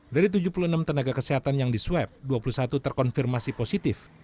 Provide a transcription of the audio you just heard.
dari tujuh puluh enam tenaga kesehatan yang disweb dua puluh satu terkonfirmasi positif